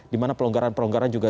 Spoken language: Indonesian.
dimana pelonggaran pelonggaran juga